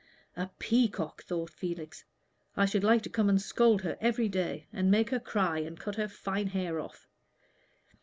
"A peacock!" thought Felix. "I should like to come and scold her every day, and make her cry and cut her fine hair off."